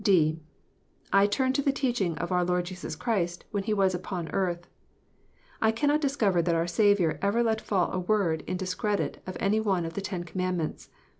(d) I turn to the teaching of our Lord Jesus Christ when He was upon earth. I cannot discover that our Saviour ever let fall a word in discredit of any one of the Ten Commandments.